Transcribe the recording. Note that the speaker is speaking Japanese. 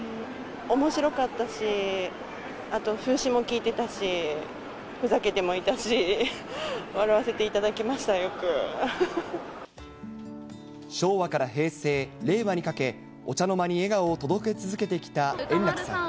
おもしろかったし、あと風刺もきいてたし、ふざけてもいたし、笑わせていただきまし昭和から平成、令和にかけ、お茶の間に笑顔を届け続けてきた円楽さん。